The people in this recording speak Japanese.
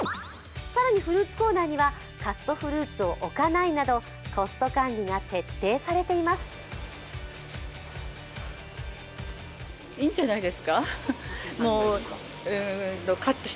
更にフルーツ仏コーナーにはカットフルーツを置かないなどコスト管理が徹底されています。